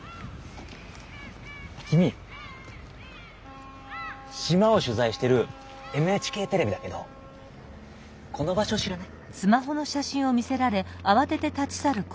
君しまをしゅざいしてるＭＨＫテレビだけどこの場所知らない？